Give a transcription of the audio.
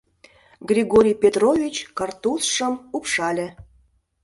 Григорий Петрович картузшым упшале.